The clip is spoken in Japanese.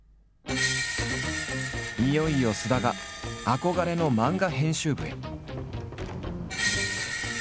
いよいよ菅田が憧れの漫画編集部へ。